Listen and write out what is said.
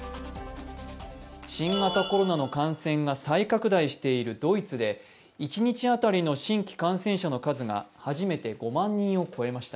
新型コロナの感染が再拡大しているドイツで一日当たりの新規感染者の数が初めて５万人を超えました。